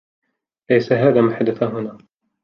ليس هذا ما حدث هنا.